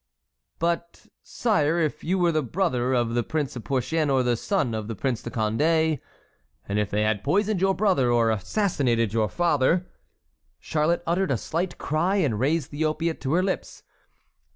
"But, sire, if you were the brother of the Prince of Porcian or the son of the Prince of Condé, and if they had poisoned your brother or assassinated your father"—Charlotte uttered a slight cry and raised the opiate to her lips.